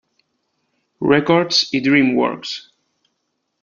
Records y DreamWorks.